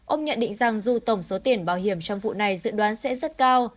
ông nhận định rằng dù tổng số tiền bảo hiểm trong vụ này dự đoán sẽ rất cao